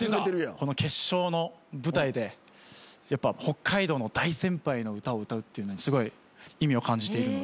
この決勝の舞台で北海道の大先輩の歌を歌うっていうのにすごい意味を感じているので。